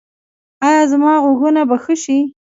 ایا زما غوږونه به ښه شي؟